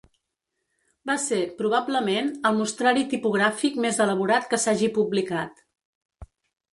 Va ser, probablement, el mostrari tipogràfic més elaborat que s'hagi publicat.